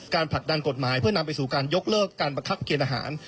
ผลักดันกฎหมายเพื่อนำไปสู่การยกเลิกการบังคับเกณฑ์อาหาร